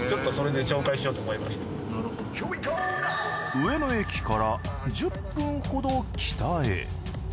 上野駅から１０分ほど北へ。